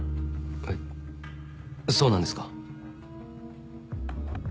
えっそうなんですか？